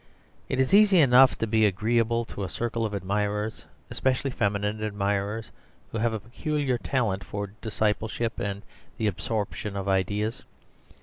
It is easy enough to be agreeable to a circle of admirers, especially feminine admirers, who have a peculiar talent for discipleship and the absorption of ideas.